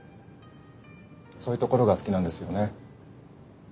そういうところが好きなんですよね。